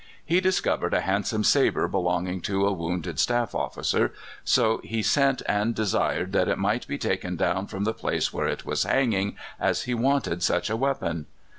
He discovered a handsome sabre belonging to a wounded staff officer, so he sent and desired that it might be taken down from the place where it was hanging, as he wanted such a weapon.